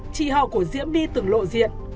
chị họ của diễm my từng lộ diện